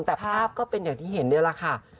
แต่ภาพก็เป็นอย่างที่เห็นนี่แหละค่ะ